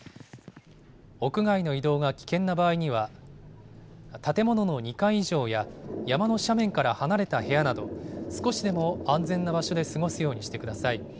屋外の移動が危険な場合には、建物の２階以上や、山の斜面から離れた部屋など、少しでも安全な場所で過ごすようにしてください。